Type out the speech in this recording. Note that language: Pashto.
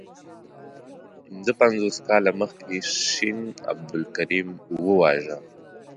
پنځه پنځوس کاله مخکي شین عبدالکریم وواژه.